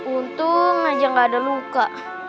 untung aja gak ada luka